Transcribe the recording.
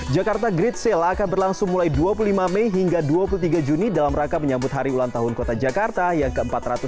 jakarta great sale akan berlangsung mulai dua puluh lima mei hingga dua puluh tiga juni dalam rangka menyambut hari ulang tahun kota jakarta yang ke empat ratus sembilan puluh